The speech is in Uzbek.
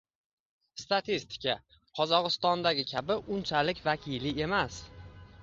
Statistika, Qozog'istondagi kabi, unchalik vakili emas